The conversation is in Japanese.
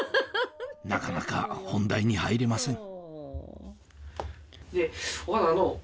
なかなか本題に入れません